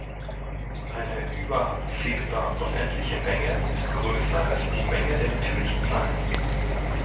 Eine "überabzählbar unendliche" Menge ist größer als die Menge der natürlichen Zahlen.